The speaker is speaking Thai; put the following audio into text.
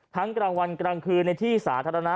กลางวันกลางคืนในที่สาธารณะ